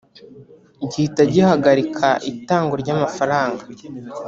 gihita gihagarika itangwa ry’amafaranga